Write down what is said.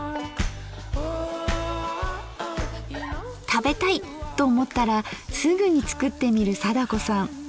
「食べたい」と思ったらすぐに作ってみる貞子さん。